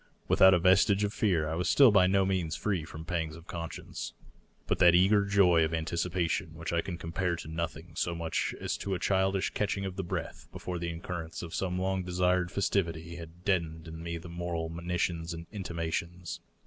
Without a vestige of fear, I was still by no means free from pangs of conscience. But that eager joy of anticipation which I can compare to nothing so much as to a childish catching of the breath before the occurrence of some long desired festivity, had deadened in me the moral monitions and intimations.